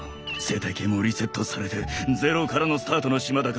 生態系もリセットされてゼロからのスタートの島だからね。